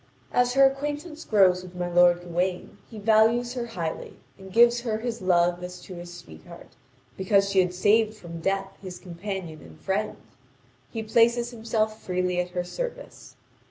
As her acquaintance grows with my lord Gawain, he values her highly and gives her his love as to his sweetheart, because she had saved from death his companion and friend; he places himself freely at her service.